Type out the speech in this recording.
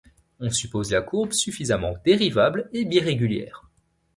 On suppose la courbe suffisamment dérivable et birégulière.